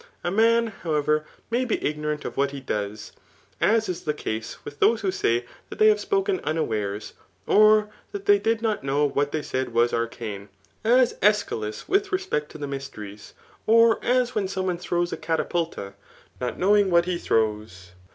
A man, however, may be ignorant of what he does ; as is the case with those who say that they have spoken unawares, or that they did not know that what they said was ar jcane, as ^schylus with respect to the mysteries ;' or as when some one throws a catapulta, not knowing what he throws.